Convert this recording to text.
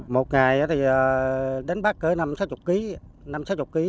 một ngày thì đến bắt cỡ năm sáu mươi kg tầy hình cỡ giá bốn năm trăm linh ngàn